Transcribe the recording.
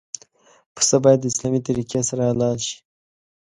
پسه باید د اسلامي طریقې سره حلال شي.